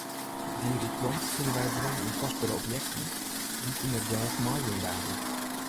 Dy rykdom fine wy werom yn kostbere objekten dy't yn it grêf meijûn waarden.